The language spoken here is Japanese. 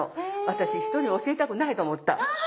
私人に教えたくないと思った。